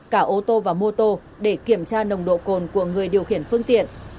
cả ô tô và mô tô để kiểm tra nồng độ cồn của người điều khiển phương tiện